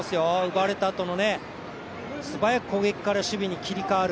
奪われたあとの素早く攻撃から守備に切り替わる